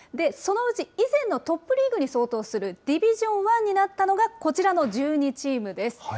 そのうち以前のトップリーグに相当するディビジョン１になったのが、こちらの１２チームです。